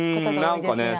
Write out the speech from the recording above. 何かね